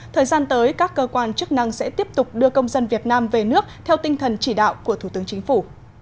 thời gian tới các cơ quan chức năng sẽ tiếp tục đưa công dân việt nam về nước theo tinh thần chỉ đạo của thủ tướng chính phủ